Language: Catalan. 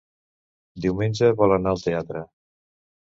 Diumenge vol anar al teatre.